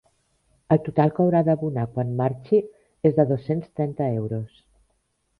El total que haurà d'abonar quan marxi és de dos-cents trenta euros.